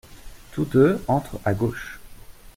Tous deux entrent à gauche.